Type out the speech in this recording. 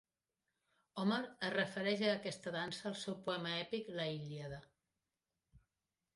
Homer es refereix a aquesta dansa al seu poema èpic "La Ilíada".